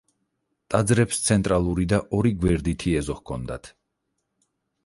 ტაძრებს ცენტრალური და ორი გვერდითი ეზო ჰქონდათ.